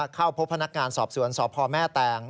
เข้าพบพนักการณ์สอบสวนสอบพ่อแม่แตง